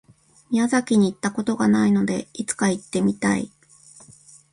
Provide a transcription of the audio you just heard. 宮崎に行った事がないので、いつか行ってみたい。